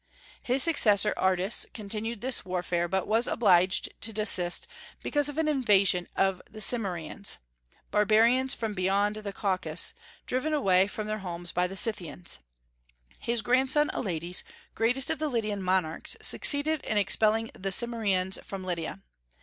His successor Ardys continued this warfare, but was obliged to desist because of an invasion of the Cimmerians, barbarians from beyond the Caucasus, driven away from their homes by the Scythians. His grandson Alyattes, greatest of the Lydian monarchs, succeeded in expelling the Cimmerians from Lydia.